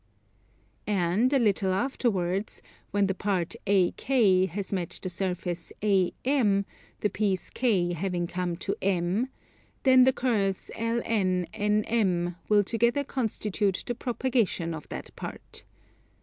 And a little afterwards, when the part AK has met the surface AM, the piece K having come to M, then the curves LN, NM, will together constitute the propagation of that part.